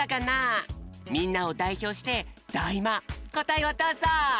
みんなをだいひょうしてＤＡ−ＩＭＡこたえをどうぞ！